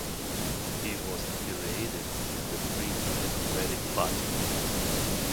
He was affiliated with the Free Democratic Party.